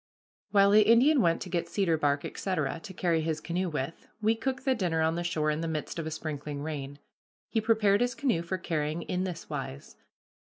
While the Indian went to get cedar bark, etc., to carry his canoe with, we cooked the dinner on the shore in the midst of a sprinkling rain. He prepared his canoe for carrying in this wise.